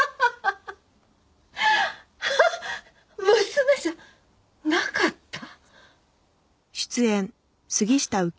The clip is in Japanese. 娘じゃなかった？